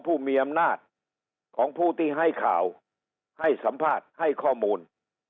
ผู้มีอำนาจของผู้ที่ให้ข่าวให้สัมภาษณ์ให้ข้อมูล